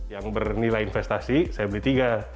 yang bernilai investasi saya beli tiga